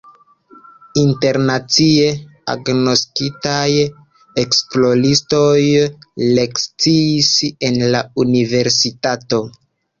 Internacie agnoskitaj esploristoj lekciis en la universitato.